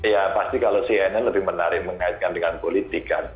ya pasti kalau cnn lebih menarik mengaitkan dengan politik kan